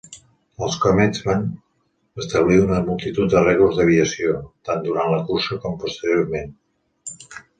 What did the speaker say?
Els Comets van establir una multitud de rècords d'aviació, tant durant la cursa com posteriorment.